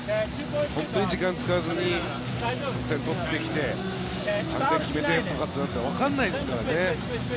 本当に時間を使わずに点を取ってきて３点決めてとかってなったらわからないですからね。